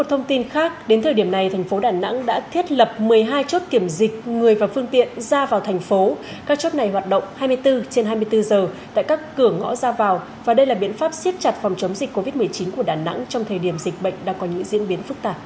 hãy đăng ký kênh để ủng hộ kênh của mình nhé